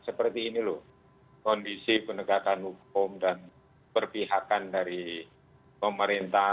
seperti ini loh kondisi penegakan hukum dan perpihakan dari pemerintah